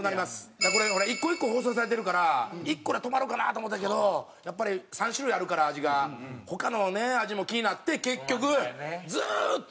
俺これ１個１個包装されてるから１個で止まるかなと思うたんやけどやっぱり３種類あるから味が他の味も気になって結局ずーっと。